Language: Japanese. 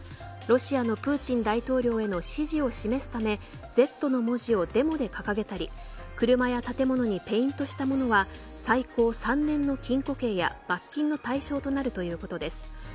ロシアのプーチン大統領への支持を示すためＺの文字をデモで掲げたり車や建物にペイントしたものは最高３年の禁錮刑や罰金の対象となるということです。